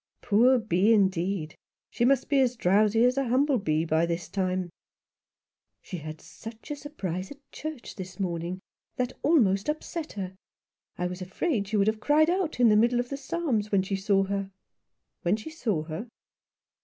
" Poor Bee, indeed ! She must be as drowsy as a humble bee by this time." " She had a surprise at church this morning that almost upset her. I was afraid she would have cried out in the middle of the psalms when she saw her." " When she saw her